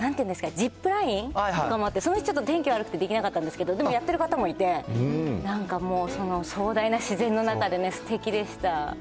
ジップラインとかもあって、そのときは天気悪くてできなかったんですけど、でもやってる方もいて、なんかもう、壮大な自然の中でね、すてきでした。